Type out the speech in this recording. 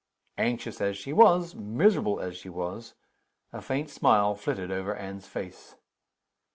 Anxious as she was, miserable as she was, a faint smile flitted over Anne's face.